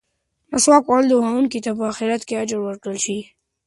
مسواک وهونکي ته به په اخرت کې اجر ورکړل شي.